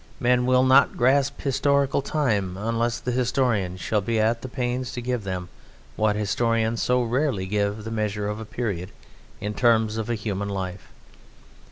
Men will not grasp historical time unless the historian shall be at the pains to give them what historians so rarely give, the measure of a period in terms of a human life.